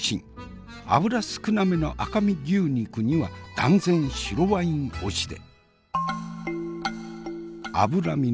脂少なめの赤身牛肉には断然白ワイン推しで。